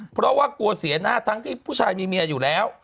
เพราะว่ากลัวเสียหน้าทั้งที่ผู้ชายมีเมียอยู่แล้ว